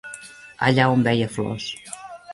Allà on veia flors